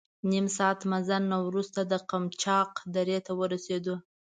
نیم ساعت مزل نه وروسته د قمچاق درې ته ورسېدو.